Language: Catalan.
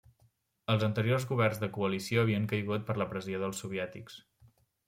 Els anteriors governs de coalició havien caigut per la pressió dels soviètics.